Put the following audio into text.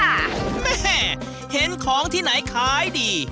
แม่เห็นของที่ไหนขายดี